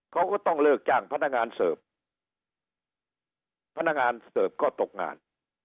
เขาก็ต้องเลิกจ้างพนักงานเสิร์ฟพนักงานเสิร์ฟก็ตกงาน